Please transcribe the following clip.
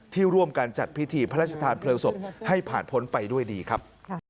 ร่วมการจัดพิธีพระราชทานเพลิงศพให้ผ่านพ้นไปด้วยดีครับ